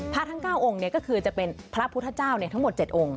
ทั้ง๙องค์ก็คือจะเป็นพระพุทธเจ้าทั้งหมด๗องค์